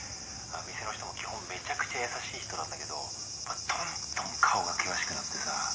「店の人も基本めちゃくちゃ優しい人なんだけどどんどん顔が険しくなってさ」